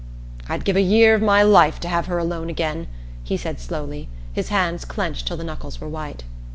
"I'd give a year of my life to have her alone again," he said slowly, his hands clenched till the knuckles were white.